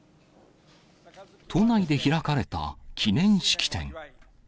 都内で開かれた記念式典。